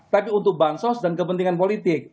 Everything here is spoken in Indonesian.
tapi untuk bansos dan kepentingan politik